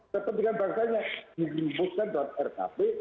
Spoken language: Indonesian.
kepentingan bangsa yang dilumuskan dalam rkp